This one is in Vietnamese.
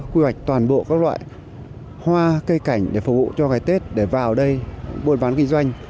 quy hoạch toàn bộ các loại hoa cây cảnh để phục vụ cho ngày tết để vào đây buôn bán kinh doanh